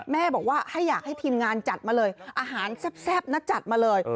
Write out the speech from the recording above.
แม่บอกว่าให้อยากให้ทีมงานจัดมาเลยอาหารแซ่บนะจัดมาเลย